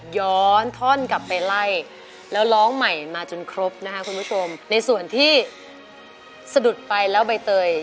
ย้อนท่อนกลับไปไล่แล้วร้องใหม่มาจนครบนะคะคุณผู้ชมในส่วนที่สะดุดไปแล้วใบเตย